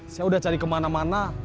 saya udah cari kemana mana